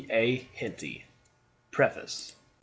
A. Henty PREFACE.